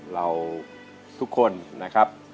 เราทุกคนนะครับ